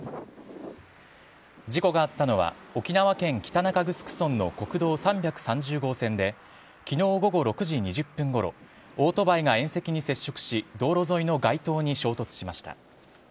事故があったのは、沖縄県北中城村の国道３３０号線で、きのう午後６時２０分ごろ、オートバイが縁石に接触し、道路沿いの街灯に衝突しました。